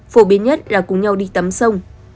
phổ biến nhất là cùng nhau đi tắm sông